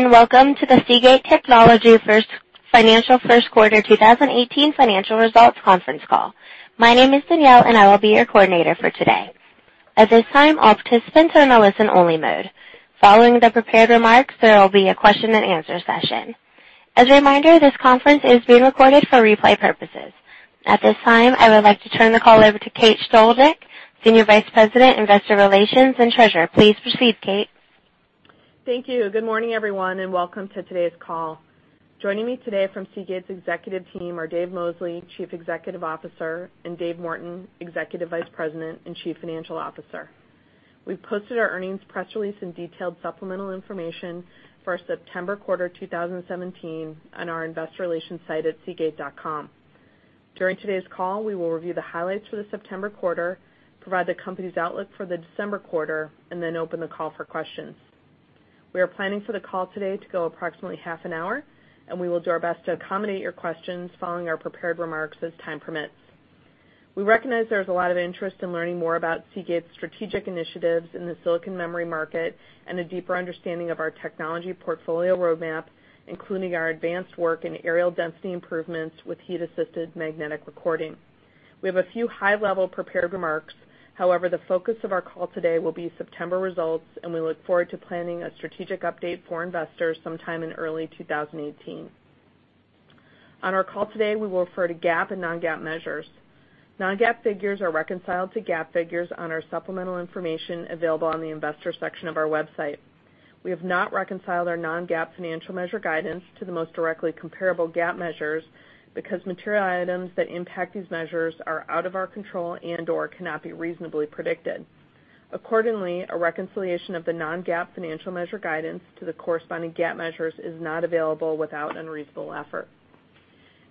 Good day, welcome to the Seagate Technology financial first quarter 2018 financial results conference call. My name is Danielle, I will be your coordinator for today. At this time, all participants are in a listen only mode. Following the prepared remarks, there will be a question and answer session. As a reminder, this conference is being recorded for replay purposes. At this time, I would like to turn the call over to Kate Slocum, Senior Vice President, Investor Relations and Treasurer. Please proceed, Kate. Thank you. Good morning, everyone, welcome to today's call. Joining me today from Seagate's executive team are Dave Mosley, Chief Executive Officer, Dave Morton, Executive Vice President and Chief Financial Officer. We've posted our earnings press release and detailed supplemental information for our September quarter 2017 on our investor relations site at seagate.com. During today's call, we will review the highlights for the September quarter, provide the company's outlook for the December quarter, open the call for questions. We are planning for the call today to go approximately half an hour, we will do our best to accommodate your questions following our prepared remarks as time permits. We recognize there's a lot of interest in learning more about Seagate's strategic initiatives in the silicon memory market and a deeper understanding of our technology portfolio roadmap, including our advanced work in areal density improvements with Heat-Assisted Magnetic Recording. We have a few high-level prepared remarks. However, the focus of our call today will be September results, we look forward to planning a strategic update for investors sometime in early 2018. On our call today, we will refer to GAAP and non-GAAP measures. Non-GAAP figures are reconciled to GAAP figures on our supplemental information available on the investor section of our website. We have not reconciled our non-GAAP financial measure guidance to the most directly comparable GAAP measures because material items that impact these measures are out of our control and/or cannot be reasonably predicted. Accordingly, a reconciliation of the non-GAAP financial measure guidance to the corresponding GAAP measures is not available without unreasonable effort.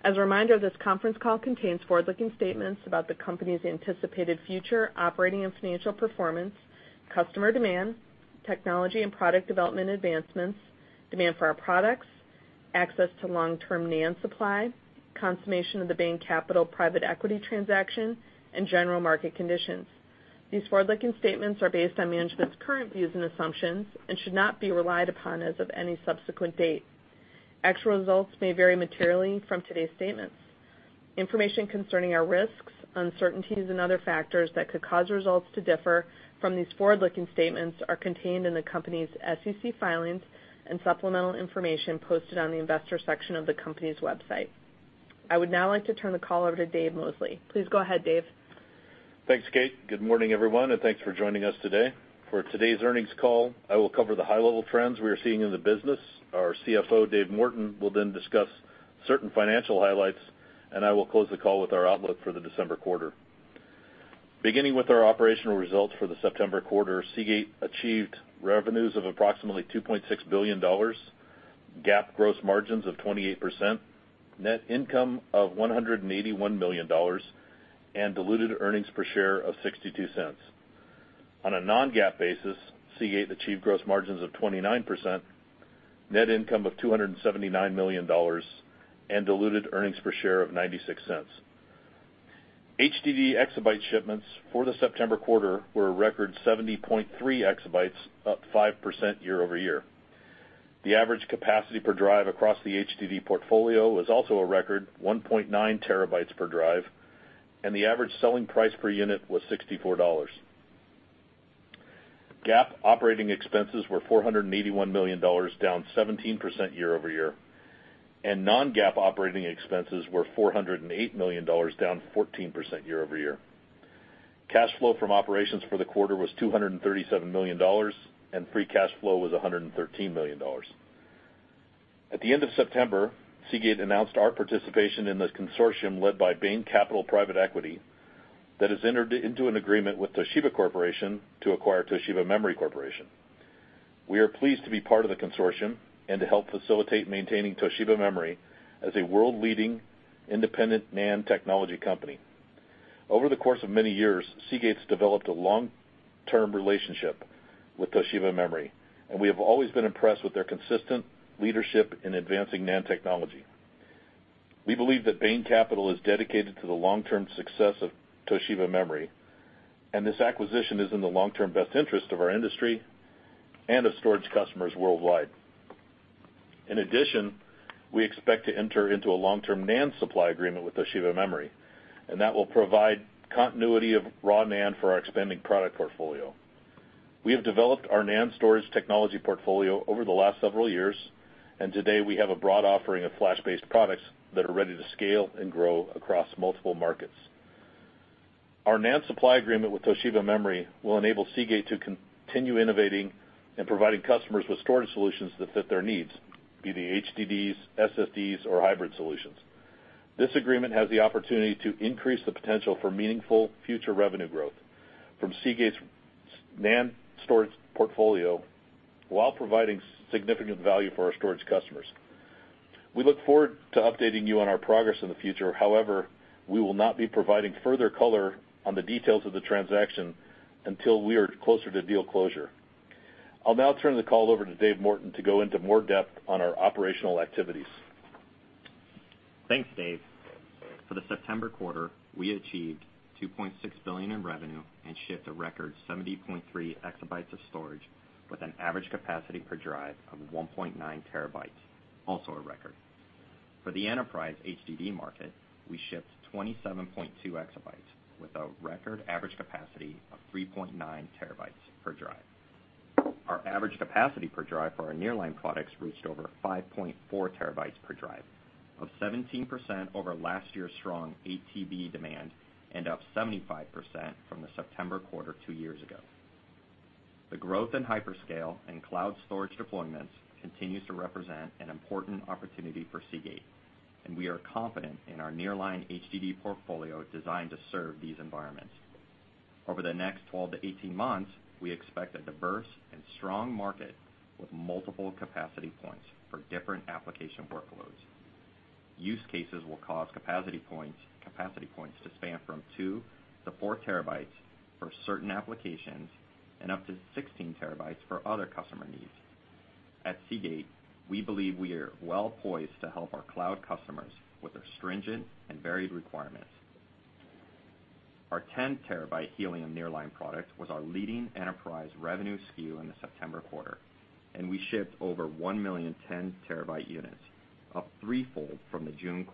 As a reminder, this conference call contains forward-looking statements about the company's anticipated future operating and financial performance, customer demand, technology and product development advancements, demand for our products, access to long-term NAND supply, consummation of the Bain Capital Private Equity transaction, general market conditions. These forward-looking statements are based on management's current views and assumptions and should not be relied upon as of any subsequent date. Actual results may vary materially from today's statements. Information concerning our risks, uncertainties, and other factors that could cause results to differ from these forward-looking statements are contained in the company's SEC filings and supplemental information posted on the investor section of the company's website. I would now like to turn the call over to Dave Mosley. Please go ahead, Dave. Thanks, Kate. Good morning, everyone, and thanks for joining us today. For today's earnings call, I will cover the high-level trends we are seeing in the business. Our CFO, Dave Morton, will then discuss certain financial highlights, and I will close the call with our outlook for the December quarter. Beginning with our operational results for the September quarter, Seagate achieved revenues of approximately $2.6 billion, GAAP gross margins of 28%, net income of $181 million, and diluted earnings per share of $0.62. On a non-GAAP basis, Seagate achieved gross margins of 29%, net income of $279 million, and diluted earnings per share of $0.96. HDD exabyte shipments for the September quarter were a record 70.3 exabytes, up 5% year-over-year. The average capacity per drive across the HDD portfolio was also a record 1.9 terabytes per drive, and the average selling price per unit was $64. GAAP operating expenses were $481 million, down 17% year-over-year, and non-GAAP operating expenses were $408 million, down 14% year-over-year. Cash flow from operations for the quarter was $237 million, and free cash flow was $113 million. At the end of September, Seagate announced our participation in the consortium led by Bain Capital Private Equity that has entered into an agreement with Toshiba Corporation to acquire Toshiba Memory Corporation. We are pleased to be part of the consortium and to help facilitate maintaining Toshiba Memory as a world-leading independent NAND technology company. Over the course of many years, Seagate's developed a long-term relationship with Toshiba Memory, and we have always been impressed with their consistent leadership in advancing NAND technology. We believe that Bain Capital is dedicated to the long-term success of Toshiba Memory, and this acquisition is in the long-term best interest of our industry and of storage customers worldwide. In addition, we expect to enter into a long-term NAND supply agreement with Toshiba Memory, and that will provide continuity of raw NAND for our expanding product portfolio. We have developed our NAND storage technology portfolio over the last several years, and today we have a broad offering of flash-based products that are ready to scale and grow across multiple markets. Our NAND supply agreement with Toshiba Memory will enable Seagate to continue innovating and providing customers with storage solutions that fit their needs, be they HDDs, SSDs, or hybrid solutions. This agreement has the opportunity to increase the potential for meaningful future revenue growth from Seagate's NAND storage portfolio while providing significant value for our storage customers. We look forward to updating you on our progress in the future. However, we will not be providing further color on the details of the transaction until we are closer to deal closure. I'll now turn the call over to Dave Morton to go into more depth on our operational activities Thanks, Dave. For the September quarter, we achieved $2.6 billion in revenue and shipped a record 70.3 exabytes of storage with an average capacity per drive of 1.9 terabytes, also a record. For the enterprise HDD market, we shipped 27.2 exabytes with a record average capacity of 3.9 terabytes per drive. Our average capacity per drive for our nearline products reached over 5.4 terabytes per drive, up 17% over last year's strong 8TB demand and up 75% from the September quarter two years ago. The growth in hyperscale and cloud storage deployments continues to represent an important opportunity for Seagate, and we are confident in our nearline HDD portfolio designed to serve these environments. Over the next 12 to 18 months, we expect a diverse and strong market with multiple capacity points for different application workloads. Use cases will cause capacity points to span from two to four terabytes for certain applications and up to 16 terabytes for other customer needs. At Seagate, we believe we are well-poised to help our cloud customers with their stringent and varied requirements. Our 10-terabyte helium nearline product was our leading enterprise revenue SKU in the September quarter, and we shipped over one million 10-terabyte units, up threefold from the June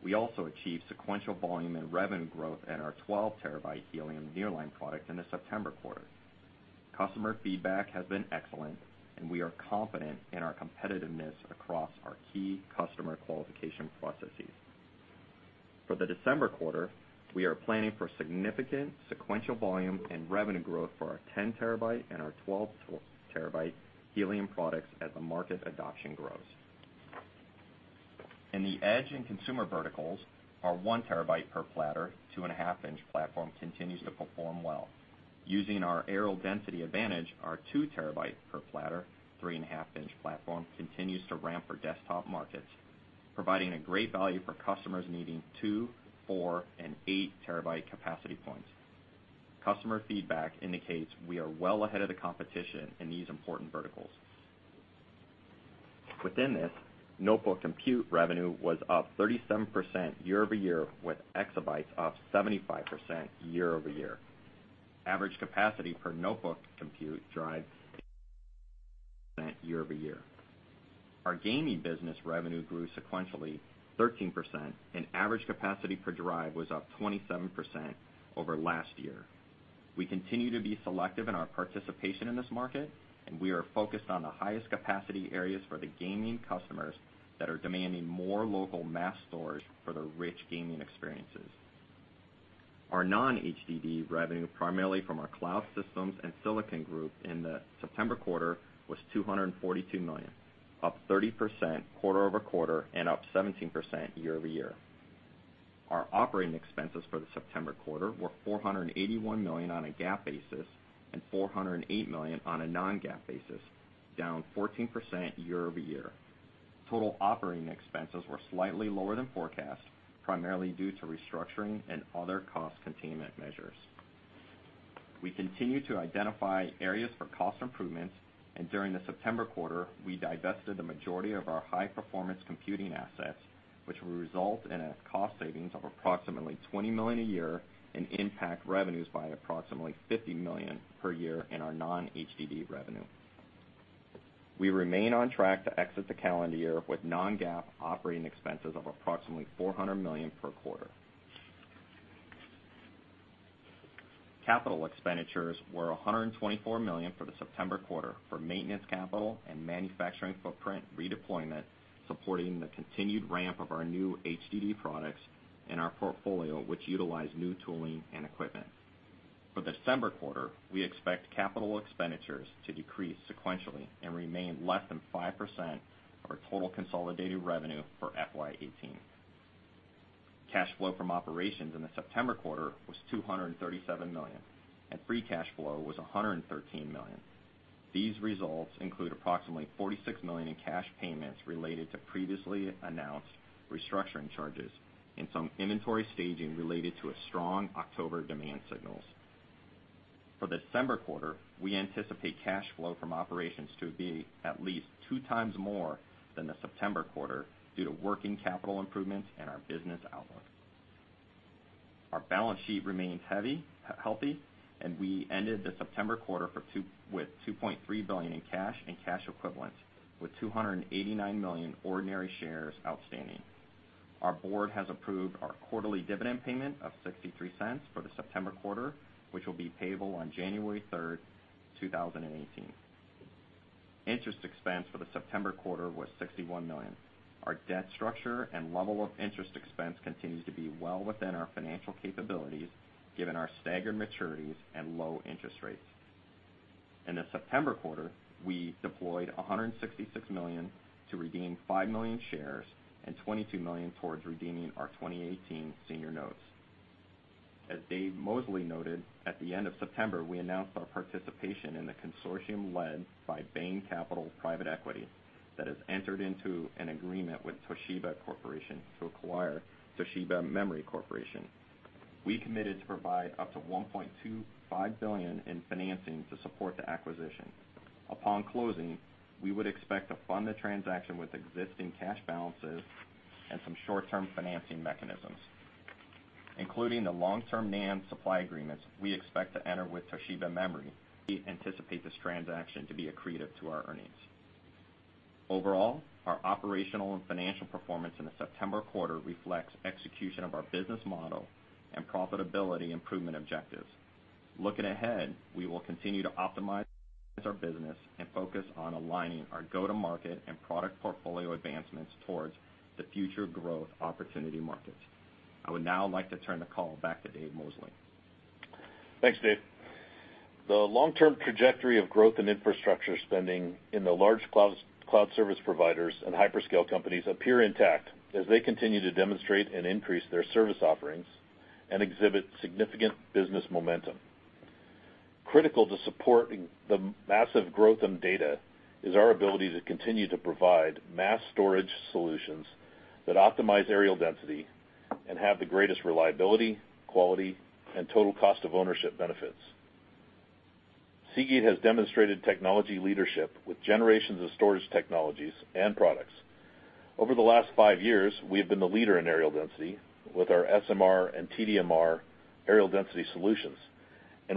quarter. We also achieved sequential volume and revenue growth at our 12-terabyte helium nearline product in the September quarter. Customer feedback has been excellent. We are confident in our competitiveness across our key customer qualification processes. For the December quarter, we are planning for significant sequential volume and revenue growth for our 10-terabyte and our 12-terabyte helium products as the market adoption grows. In the edge and consumer verticals, our one terabyte per platter, two-and-a-half inch platform continues to perform well. Using our areal density advantage, our two terabyte per platter, three-and-a-half inch platform continues to ramp for desktop markets, providing a great value for customers needing two, four, and eight terabyte capacity points. Customer feedback indicates we are well ahead of the competition in these important verticals. Within this, notebook compute revenue was up 37% year-over-year, with exabytes up 75% year-over-year. Average capacity per notebook compute drive, % year-over-year. Our gaming business revenue grew sequentially 13%, and average capacity per drive was up 27% over last year. We continue to be selective in our participation in this market, and we are focused on the highest capacity areas for the gaming customers that are demanding more local mass storage for their rich gaming experiences. Our non-HDD revenue, primarily from our Cloud Systems and Silicon Group in the September quarter, was $242 million, up 30% quarter-over-quarter and up 17% year-over-year. Our operating expenses for the September quarter were $481 million on a GAAP basis and $408 million on a non-GAAP basis, down 14% year-over-year. Total operating expenses were slightly lower than forecast, primarily due to restructuring and other cost containment measures. We continue to identify areas for cost improvements. During the September quarter, we divested the majority of our high-performance computing assets, which will result in a cost savings of approximately $20 million a year and impact revenues by approximately $50 million per year in our non-HDD revenue. We remain on track to exit the calendar year with non-GAAP operating expenses of approximately $400 million per quarter. Capital expenditures were $124 million for the September quarter for maintenance capital and manufacturing footprint redeployment, supporting the continued ramp of our new HDD products in our portfolio, which utilize new tooling and equipment. For December quarter, we expect capital expenditures to decrease sequentially and remain less than 5% of our total consolidated revenue for FY 2018. Cash flow from operations in the September quarter was $237 million, and free cash flow was $113 million. These results include approximately $46 million in cash payments related to previously announced restructuring charges and some inventory staging related to strong October demand signals. For December quarter, we anticipate cash flow from operations to be at least two times more than the September quarter due to working capital improvements and our business outlook. Our balance sheet remains healthy. We ended the September quarter with $2.3 billion in cash and cash equivalents, with 289 million ordinary shares outstanding. Our board has approved our quarterly dividend payment of $0.63 for the September quarter, which will be payable on January 3rd, 2018. Interest expense for the September quarter was $61 million. Our debt structure and level of interest expense continues to be well within our financial capabilities, given our staggered maturities and low interest rates. In the September quarter, we deployed $166 million to redeem 5 million shares and $22 million towards redeeming our 2018 senior notes. As Dave Mosley noted, at the end of September, we announced our participation in the consortium led by Bain Capital Private Equity that has entered into an agreement with Toshiba Corporation to acquire Toshiba Memory Corporation. We committed to provide up to $1.25 billion in financing to support the acquisition. Upon closing, we would expect to fund the transaction with existing cash balances and some short-term financing mechanisms. Including the long-term NAND supply agreements we expect to enter with Toshiba Memory, we anticipate this transaction to be accretive to our earnings. Overall, our operational and financial performance in the September quarter reflects execution of our business model and profitability improvement objectives. Looking ahead, we will continue to optimize our business and focus on aligning our go-to-market and product portfolio advancements towards the future growth opportunity markets. I would now like to turn the call back to Dave Mosley. Thanks, Dave. The long-term trajectory of growth in infrastructure spending in the large cloud service providers and hyperscale companies appear intact as they continue to demonstrate and increase their service offerings and exhibit significant business momentum. Critical to supporting the massive growth in data is our ability to continue to provide mass storage solutions that optimize areal density and have the greatest reliability, quality, and total cost of ownership benefits. Seagate has demonstrated technology leadership with generations of storage technologies and products. Over the last five years, we have been the leader in areal density with our SMR and TDMR areal density solutions.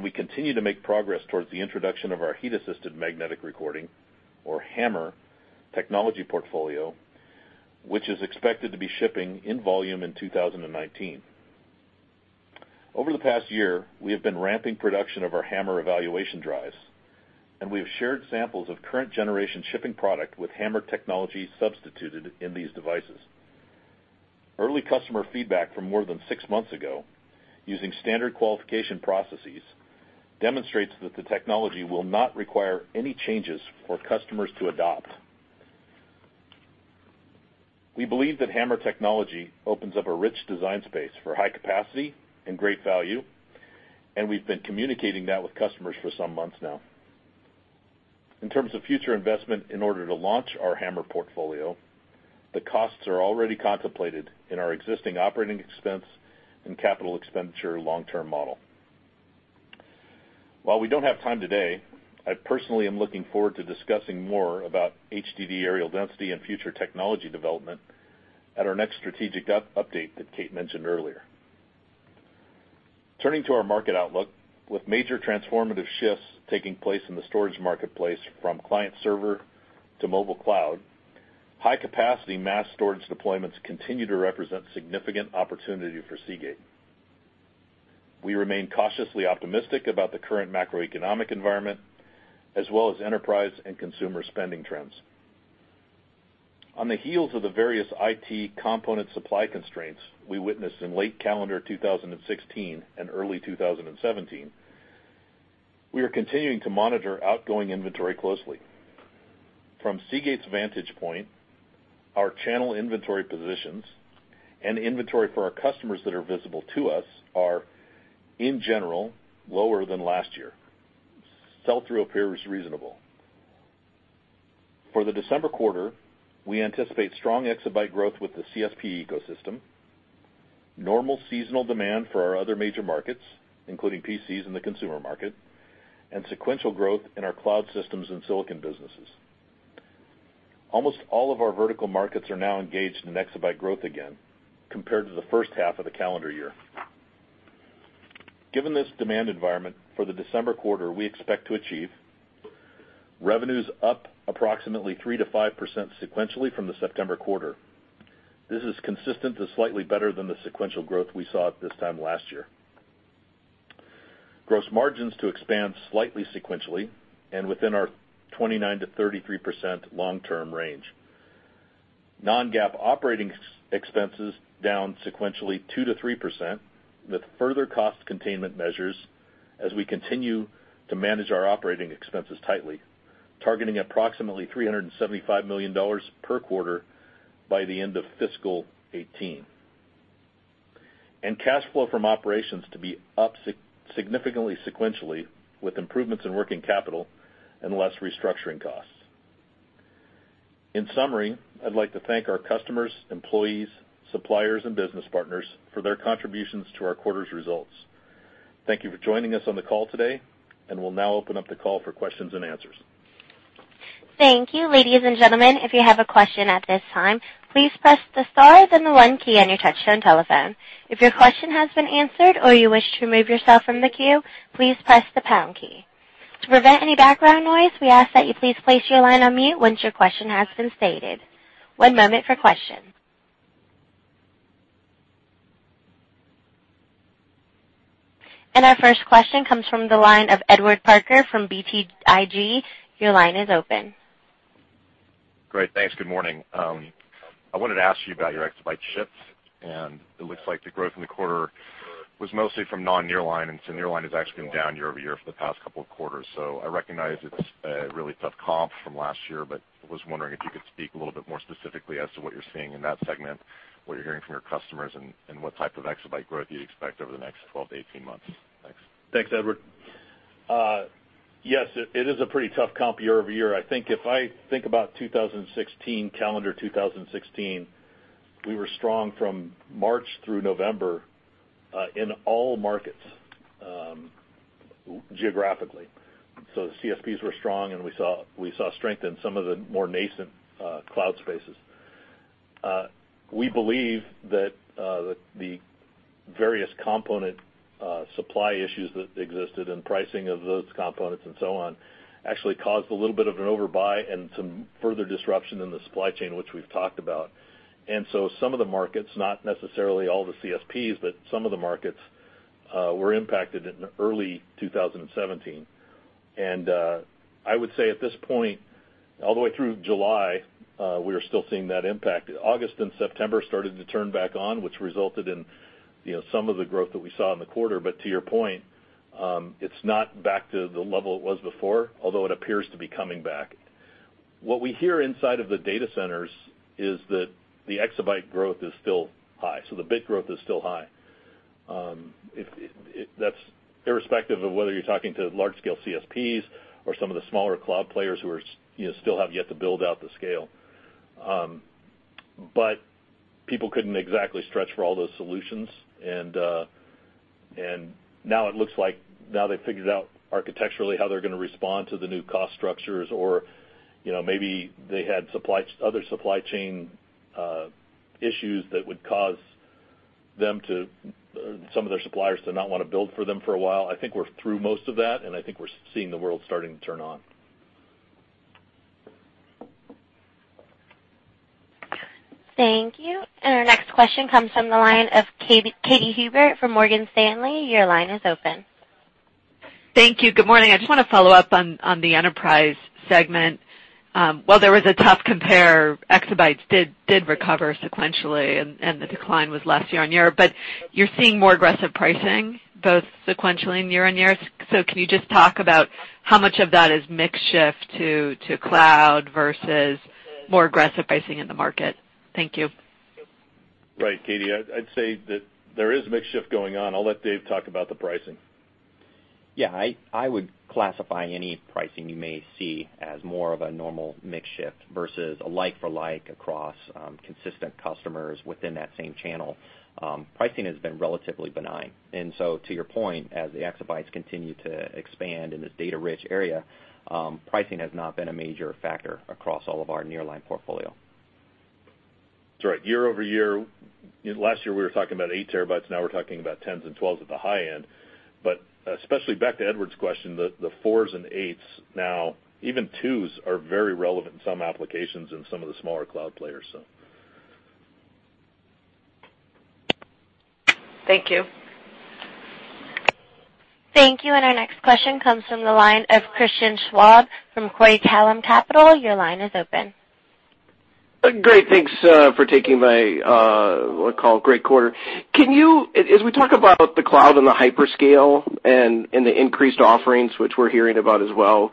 We continue to make progress towards the introduction of our Heat-Assisted Magnetic Recording, or HAMR, technology portfolio, which is expected to be shipping in volume in 2019. Over the past year, we have been ramping production of our HAMR evaluation drives, and we have shared samples of current generation shipping product with HAMR technology substituted in these devices. Early customer feedback from more than six months ago, using standard qualification processes, demonstrates that the technology will not require any changes for customers to adopt. We believe that HAMR technology opens up a rich design space for high capacity and great value, and we've been communicating that with customers for some months now. In terms of future investment, in order to launch our HAMR portfolio, the costs are already contemplated in our existing operating expense and capital expenditure long-term model. While we don't have time today, I personally am looking forward to discussing more about HDD areal density and future technology development at our next strategic update that Kate mentioned earlier. Turning to our market outlook. With major transformative shifts taking place in the storage marketplace from client-server to mobile cloud, high-capacity mass storage deployments continue to represent significant opportunity for Seagate. We remain cautiously optimistic about the current macroeconomic environment, as well as enterprise and consumer spending trends. On the heels of the various IT component supply constraints we witnessed in late calendar 2016 and early 2017, we are continuing to monitor outgoing inventory closely. From Seagate's vantage point, our channel inventory positions and inventory for our customers that are visible to us are, in general, lower than last year. Sell-through appears reasonable. For the December quarter, we anticipate strong exabyte growth with the CSP ecosystem, normal seasonal demand for our other major markets, including PCs and the consumer market, and sequential growth in our Cloud Systems and Silicon businesses. Almost all of our vertical markets are now engaged in exabyte growth again, compared to the first half of the calendar year. Given this demand environment, for the December quarter, we expect to achieve revenues up approximately 3%-5% sequentially from the September quarter. This is consistent to slightly better than the sequential growth we saw at this time last year. Gross margins to expand slightly sequentially and within our 29%-33% long-term range. Non-GAAP operating expenses down sequentially 2%-3%, with further cost containment measures as we continue to manage our operating expenses tightly, targeting approximately $375 million per quarter by the end of fiscal 2018. Cash flow from operations to be up significantly sequentially, with improvements in working capital and less restructuring costs. In summary, I'd like to thank our customers, employees, suppliers, and business partners for their contributions to our quarter's results. Thank you for joining us on the call today. We'll now open up the call for questions and answers. Thank you, ladies and gentlemen. If you have a question at this time, please press the star then the one key on your touch-tone telephone. If your question has been answered or you wish to remove yourself from the queue, please press the pound key. To prevent any background noise, we ask that you please place your line on mute once your question has been stated. One moment for questions. Our first question comes from the line of Edward Parker from BTIG. Your line is open. Great. Thanks. Good morning. I wanted to ask you about your exabyte ships. It looks like the growth in the quarter was mostly from non-nearline, and nearline has actually been down year-over-year for the past couple of quarters. I recognize it's a really tough comp from last year, but I was wondering if you could speak a little bit more specifically as to what you're seeing in that segment, what you're hearing from your customers, and what type of exabyte growth you'd expect over the next 12 to 18 months. Thanks. Thanks, Edward. Yes, it is a pretty tough comp year-over-year. I think if I think about calendar 2016, we were strong from March through November in all markets geographically. The CSPs were strong, and we saw strength in some of the more nascent cloud spaces. We believe that the various component supply issues that existed and pricing of those components and so on, actually caused a little bit of an overbuy and some further disruption in the supply chain, which we've talked about. Some of the markets, not necessarily all the CSPs, but some of the markets were impacted in early 2017. I would say at this point, all the way through July, we are still seeing that impact. August and September started to turn back on, which resulted in some of the growth that we saw in the quarter. To your point, it's not back to the level it was before, although it appears to be coming back. What we hear inside of the data centers is that the exabyte growth is still high, the bit growth is still high. That's irrespective of whether you're talking to large-scale CSPs or some of the smaller cloud players who still have yet to build out the scale. People couldn't exactly stretch for all those solutions, and now it looks like now they've figured out architecturally how they're going to respond to the new cost structures or maybe they had other supply chain issues that would cause some of their suppliers to not want to build for them for a while. I think we're through most of that, I think we're seeing the world starting to turn on. Thank you. Our next question comes from the line of Katy Huberty from Morgan Stanley. Your line is open. Thank you. Good morning. I just want to follow up on the enterprise segment. While there was a tough compare, exabytes did recover sequentially, and the decline was less year-on-year. You're seeing more aggressive pricing both sequentially and year-on-year. Can you just talk about how much of that is mix shift to cloud versus more aggressive pricing in the market? Thank you. Right, Katy. I'd say that there is mix shift going on. I'll let Dave talk about the pricing. Yeah. I would classify any pricing you may see as more of a normal mix shift versus a like-for-like across consistent customers within that same channel. Pricing has been relatively benign. To your point, as the exabytes continue to expand in this data-rich area, pricing has not been a major factor across all of our nearline portfolio. That's right. Year-over-year, last year, we were talking about eight terabytes. Now we're talking about 10s and 12s at the high end. Especially back to Edward's question, the fours and eights now, even twos, are very relevant in some applications in some of the smaller cloud players. Thank you. Thank you. Our next question comes from the line of Christian Schwab from Craig-Hallum Capital Group. Your line is open. Great. Thanks for taking my call. Great quarter. As we talk about the cloud and the hyperscale and the increased offerings, which we're hearing about as well,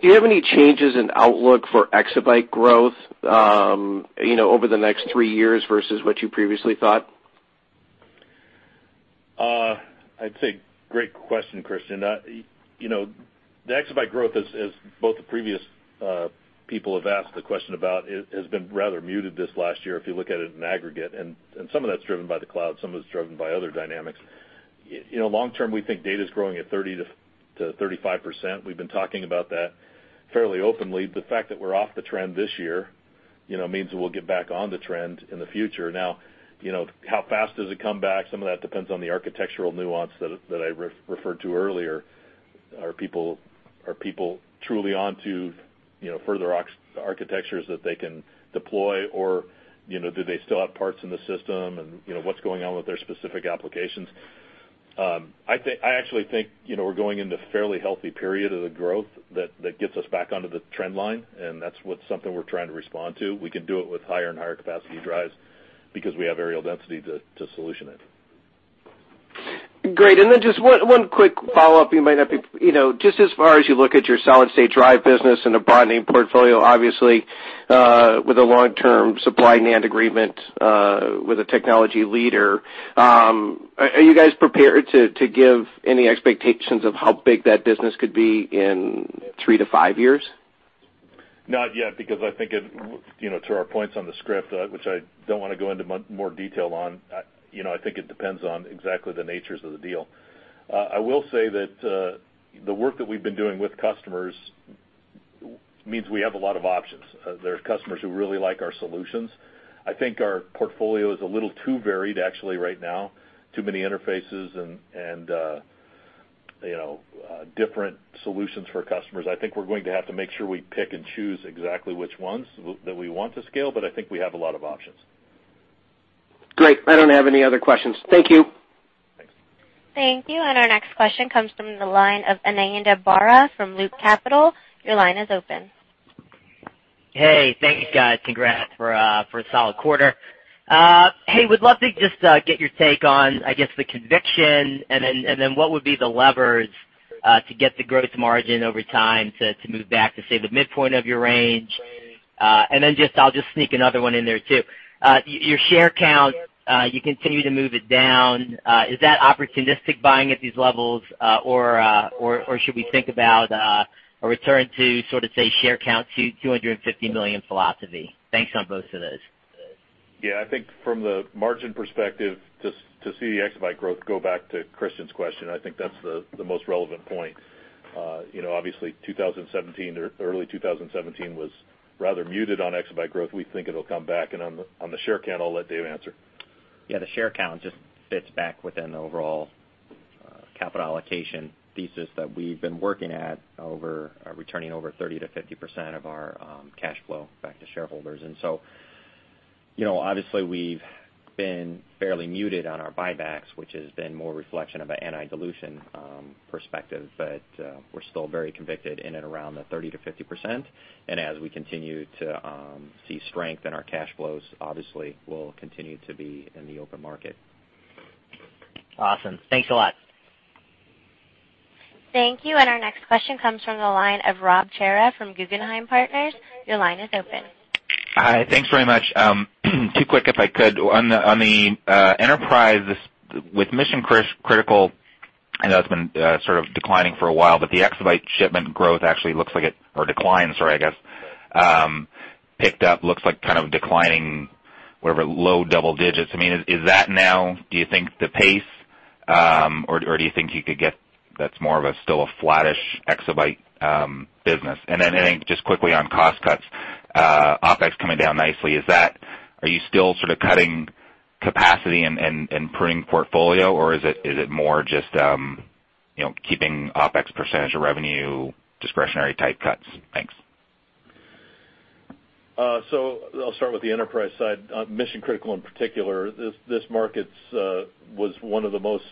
do you have any changes in outlook for exabyte growth over the next three years versus what you previously thought? I'd say great question, Christian. The exabyte growth, as both the previous people have asked the question about, has been rather muted this last year if you look at it in aggregate, some of that's driven by the cloud, some of it's driven by other dynamics. Long term, we think data's growing at 30%-35%. We've been talking about that fairly openly. The fact that we're off the trend this year means that we'll get back on the trend in the future. How fast does it come back? Some of that depends on the architectural nuance that I referred to earlier. Are people truly onto further architectures that they can deploy, or do they still have parts in the system, and what's going on with their specific applications? I actually think we're going into a fairly healthy period of the growth that gets us back onto the trend line, that's something we're trying to respond to. We can do it with higher and higher capacity drives because we have areal density to solution it. Great. Just one quick follow-up. Just as far as you look at your solid-state drive business and the broadening portfolio, obviously with a long-term supply NAND agreement with a technology leader, are you guys prepared to give any expectations of how big that business could be in three to five years? Not yet, because I think to our points on the script, which I don't want to go into more detail on, I think it depends on exactly the natures of the deal. I will say that the work that we've been doing with customers means we have a lot of options. There are customers who really like our solutions. I think our portfolio is a little too varied actually right now, too many interfaces and different solutions for customers. I think we're going to have to make sure we pick and choose exactly which ones that we want to scale, but I think we have a lot of options. Great. I don't have any other questions. Thank you. Thanks. Thank you. Our next question comes from the line of Ananda Baruah from Loop Capital. Your line is open. Hey, thank you, guys. Congrats for a solid quarter. Hey, would love to just get your take on, I guess, the conviction, then what would be the levers to get the gross margin over time to move back to, say, the midpoint of your range? Then I'll just sneak another one in there too. Your share count, you continue to move it down. Is that opportunistic buying at these levels? Or should we think about a return to sort of, say, share count 250 million philosophy? Thanks on both of those. Yeah, I think from the margin perspective, to see exabyte growth, go back to Christian's question, I think that's the most relevant point. Obviously 2017 or early 2017 was rather muted on exabyte growth. We think it'll come back. On the share count, I'll let Dave answer. Yeah, the share count just fits back within the overall capital allocation thesis that we've been working at, returning over 30%-50% of our cash flow back to shareholders. Obviously we've been fairly muted on our buybacks, which has been more reflection of an anti-dilution perspective. We're still very convicted in and around the 30%-50%. As we continue to see strength in our cash flows, obviously we'll continue to be in the open market. Awesome. Thanks a lot. Thank you. Our next question comes from the line of Robert Cihra from Guggenheim Partners. Your line is open. Hi. Thanks very much. Two quick, if I could. On the enterprise with mission critical, I know it's been sort of declining for a while, the exabyte shipment growth actually looks like it. Or decline, sorry, I guess, picked up. Looks like kind of declining wherever, low double digits. Is that now, do you think, the pace? Or do you think you could get that's more of a still a flattish exabyte business? Then I think just quickly on cost cuts, OpEx coming down nicely. Are you still sort of cutting capacity and pruning portfolio, or is it more just keeping OpEx percentage of revenue discretionary type cuts? Thanks. I'll start with the enterprise side, mission critical in particular. This market was one of the most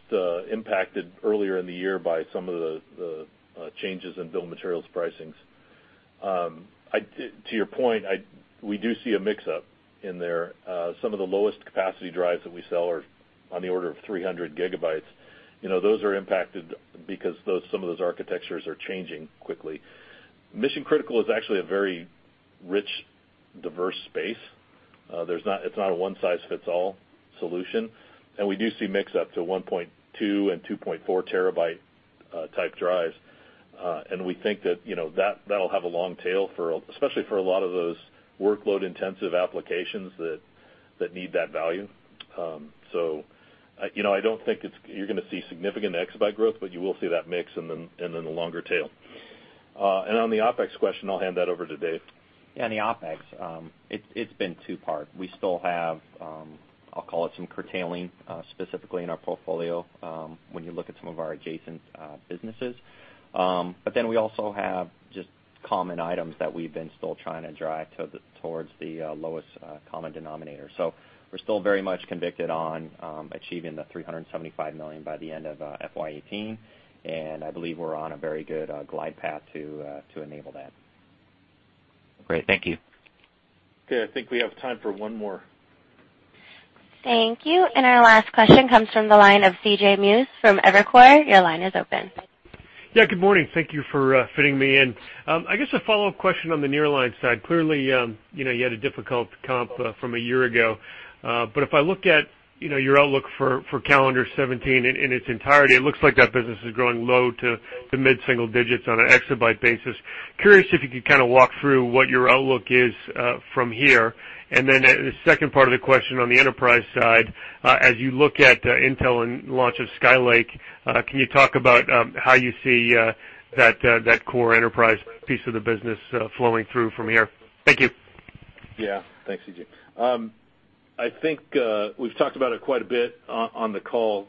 impacted earlier in the year by some of the changes in bill of materials pricings. To your point, we do see a mix-up in there. Some of the lowest capacity drives that we sell are on the order of 300 gigabytes. Those are impacted because some of those architectures are changing quickly. Mission critical is actually a very rich, diverse space. It's not a one-size-fits-all solution. We do see mix-up to 1.2 and 2.4 terabyte type drives. We think that that'll have a long tail, especially for a lot of those workload intensive applications that need that value. I don't think you're going to see significant exabyte growth, but you will see that mix and then the longer tail. On the OpEx question, I'll hand that over to Dave. On the OpEx, it's been two-part. We still have, I'll call it some curtailing, specifically in our portfolio, when you look at some of our adjacent businesses. We also have just common items that we've been still trying to drive towards the lowest common denominator. We're still very much convicted on achieving the $375 million by the end of FY 2018, I believe we're on a very good glide path to enable that. Great. Thank you. Okay, I think we have time for one more. Thank you. Our last question comes from the line of C.J. Muse from Evercore. Your line is open. Yeah, good morning. Thank you for fitting me in. I guess a follow-up question on the nearline side. Clearly, you had a difficult comp from a year ago. If I look at your outlook for calendar 2017 in its entirety, it looks like that business is growing low to mid-single digits on an exabyte basis. Curious if you could kind of walk through what your outlook is from here. Then the second part of the question on the enterprise side, as you look at Intel and launch of Skylake, can you talk about how you see that core enterprise piece of the business flowing through from here? Thank you. Yeah. Thanks, C.J. I think we've talked about it quite a bit on the call.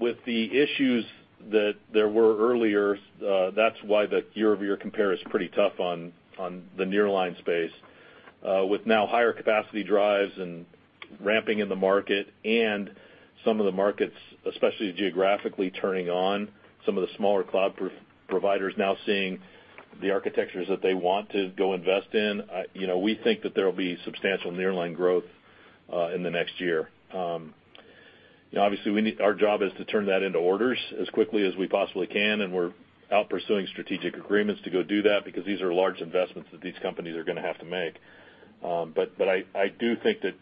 With the issues that there were earlier, that's why the year-over-year compare is pretty tough on the nearline space. With now higher capacity drives and ramping in the market and some of the markets, especially geographically turning on, some of the smaller cloud providers now seeing the architectures that they want to go invest in, we think that there'll be substantial nearline growth in the next year. Obviously our job is to turn that into orders as quickly as we possibly can, and we're out pursuing strategic agreements to go do that because these are large investments that these companies are going to have to make. I do think that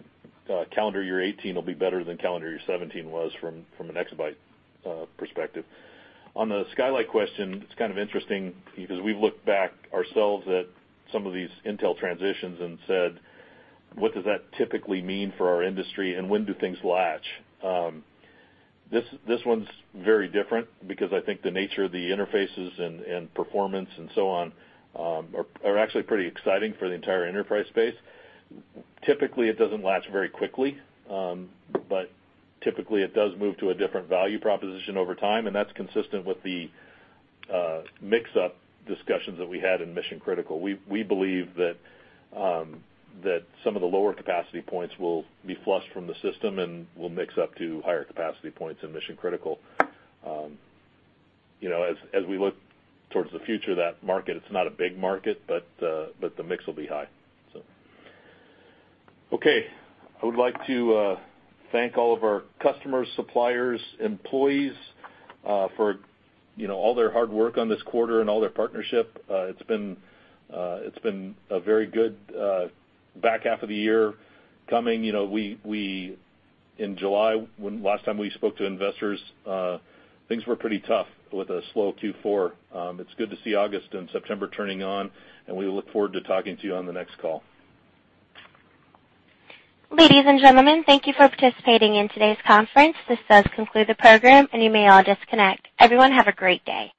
calendar year 2018 will be better than calendar year 2017 was from an exabyte perspective. On the Skylake question, it's kind of interesting because we've looked back ourselves at some of these Intel transitions and said, "What does that typically mean for our industry, and when do things latch?" This one's very different because I think the nature of the interfaces and performance and so on are actually pretty exciting for the entire enterprise space. Typically, it doesn't latch very quickly. Typically it does move to a different value proposition over time, and that's consistent with the mix-up discussions that we had in mission-critical. We believe that some of the lower capacity points will be flushed from the system and will mix up to higher capacity points in mission-critical. As we look towards the future of that market, it's not a big market, but the mix will be high, so. Okay, I would like to thank all of our customers, suppliers, employees for all their hard work on this quarter and all their partnership. It's been a very good back half of the year coming. In July, last time we spoke to investors, things were pretty tough with a slow Q4. It's good to see August and September turning on, and we look forward to talking to you on the next call. Ladies and gentlemen, thank you for participating in today's conference. This does conclude the program, and you may all disconnect. Everyone have a great day.